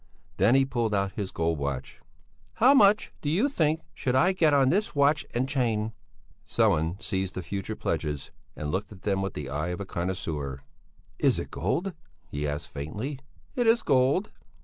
Then he pulled out his gold watch. "How much, do you think, should I get on this watch and chain?" Sellén seized the future pledges and looked at them with the eye of a connoisseur. "Is it gold?" he asked faintly. "It is gold."